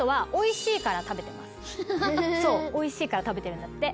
おいしいから食べてるんだって。